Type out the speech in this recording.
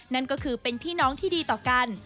นั่นก็คือเป็นพี่น้องที่ดีต่อกัน